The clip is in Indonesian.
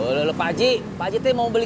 olo olo terima kasih tuh pak ji